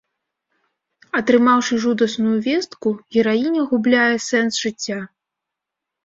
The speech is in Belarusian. Атрымаўшы жудасную вестку, гераіня губляе сэнс жыцця.